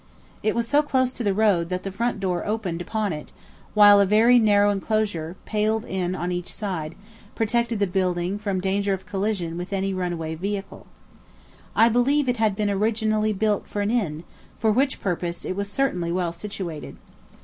It was so close to the road that the front door opened upon it; while a very narrow enclosure, paled in on each side, protected the building from danger of collision with any runaway vehicle. I believe it had been originally built for an inn, for which purpose it was certainly well situated.